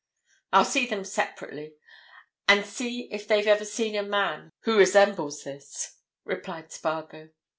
"I'll see them separately and see if they've ever seen a man who resembles this," replied Spargo.